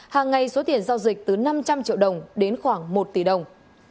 hàng ngày số tiền giao dịch từ năm trăm linh triệu đồng đến khoảng một tỷ đồng